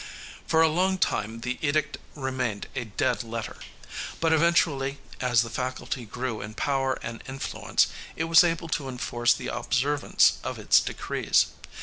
For a long time the edict remained a dead letter. But eventually, as the faculty grew in power and influence, it was able to enforce the observance of its decrees.